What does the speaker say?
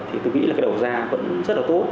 thì tôi nghĩ là cái đầu ra vẫn rất là tốt